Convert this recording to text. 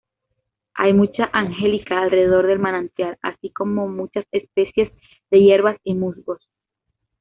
Hay mucha angelica alrededor del manantial, así como muchas especies de hierbas y musgos.